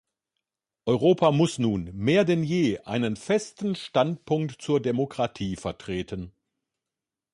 Europa muss nun mehr denn je einen festen Standpunkt zur Demokratie vertreten.